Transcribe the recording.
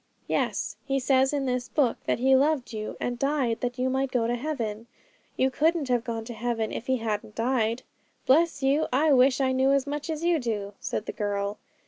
'Yes; He says in this book that He loved you, and died that you might go to heaven; you couldn't have gone to heaven if He hadn't died.' 'Bless you! I wish I knew as much as you do,' said the girl.